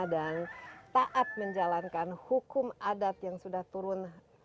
taat menjalankan hukum adat yang sudah turun